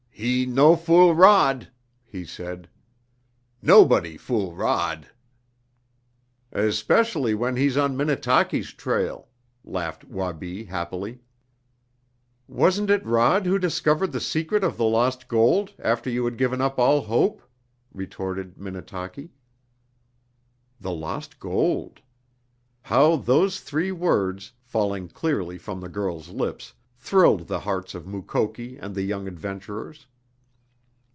"He no fool Rod," he said. "Nobody fool Rod!" "Especially when he's on Minnetaki's trail," laughed Wabi happily. "Wasn't it Rod who discovered the secret of the lost gold, after you had given up all hope?" retorted Minnetaki. The lost gold! How those three words, falling clearly from the girl's lips, thrilled the hearts of Mukoki and the young adventurers.